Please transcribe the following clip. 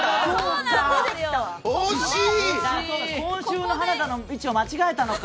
今週は花田の位置を間違えたのか。